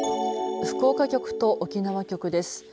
福岡局と沖縄局です。